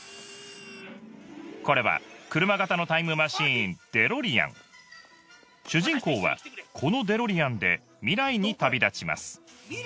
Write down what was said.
これは車型のタイムマシーン「デロリアン」主人公はこの「デロリアン」で未来に旅立ちます